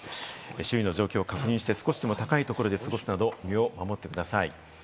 周囲の状況を確認して少しでも高いところで過ごすなど身を守ってください。